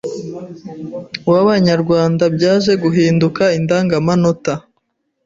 w’Abanyarwanda byaje guhinduka indangamanota